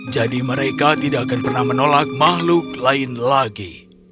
jadi mereka tidak akan pernah menolak makhluk lain lagi